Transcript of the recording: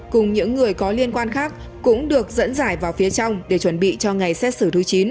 cùng những người có liên quan khác cũng được dẫn giải vào phía trong để chuẩn bị cho ngày xét xử thứ chín